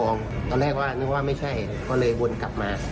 นึกว่าไม่ใช่ก็เลยวนกลับมา